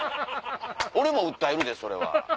俺も訴えるでそれは。